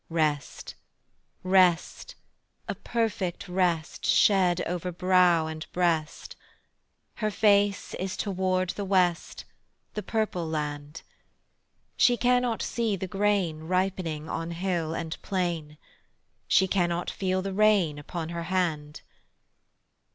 Rest, rest, a perfect rest Shed over brow and breast; Her face is toward the west, The purple land. She cannot see the grain Ripening on hill and plain; She cannot feel the rain Upon her hand.